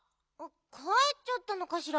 かえっちゃったのかしら。